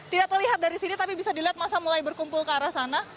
tidak terlihat dari sini tapi bisa dilihat masa mulai berkumpul ke arah sana